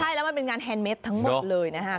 แล้วมันเป็นงานแฮนเมสทั้งหมดเลยนะฮะ